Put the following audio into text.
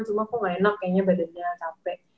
cuma kok gak enak kayaknya badannya capek